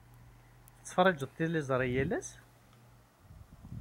Tettferriǧeḍ tiliẓri yal ass?